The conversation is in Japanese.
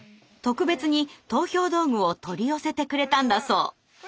特別に投票道具を取り寄せてくれたんだそう。